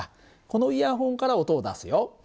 このイヤホンから音を出すよ。